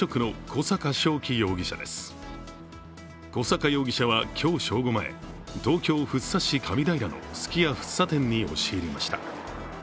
小阪容疑者は今日正午前、東京・福生市加美平のすき家福生店に押し入りました。